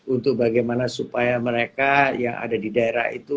untuk bagaimana supaya mereka yang ada di daerah itu